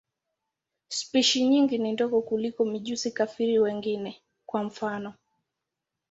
Spishi nyingi ni ndogo kuliko mijusi-kafiri wengine, kwa mfano.